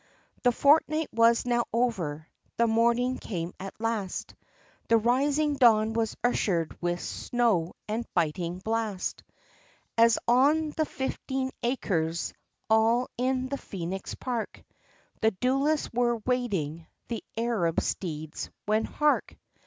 The fortnight was now over, the morning came at last, The rising dawn, was ushered with snow, and biting blast, As on the Fifteen Acres, all in the Phoenix Park, The duellists were waiting the Arab steeds, when, hark!